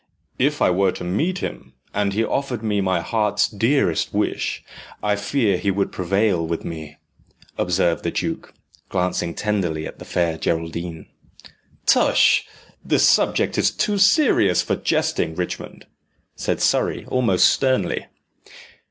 "If I were to meet him, and he offered me my heart's dearest wish, I fear he would prevail with me," observed the duke, glancing tenderly at the Fair Geraldine. "Tush! the subject is too serious for jesting, Richmond," said Surrey almost sternly.